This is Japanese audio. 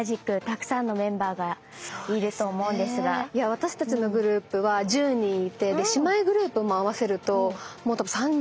私たちのグループは１０人いて姉妹グループも合わせると３５人ぐらい。